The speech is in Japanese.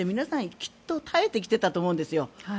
皆さんきっと耐えてきていたと思うんですよ。